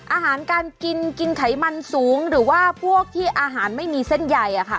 อาหารการกินกินไขมันสูงหรือว่าพวกที่อาหารไม่มีเส้นใหญ่อะค่ะ